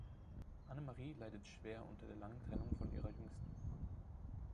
Annemarie leidet schwer unter der langen Trennung von ihrer Jüngsten.